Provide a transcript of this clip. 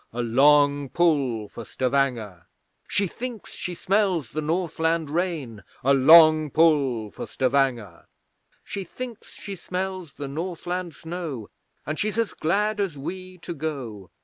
(A long pull for Stavanger!) She thinks she smells the Northland rain! (A long pull for Stavanger!) She thinks she smells the Northland snow, And she's as glad as we to go.